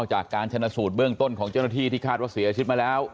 จากการชนะสูตรเบื้องต้นของเจ้าหน้าที่ที่คาดว่าเสียชีวิตมาแล้ว